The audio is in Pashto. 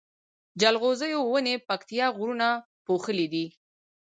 جلغوزيو ونی پکتيا غرونو پوښلي دی